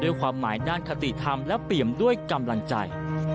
ความหมายด้านคติธรรมและเปี่ยมด้วยกำลังใจ